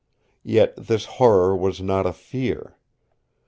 Yet this horror was not a fear.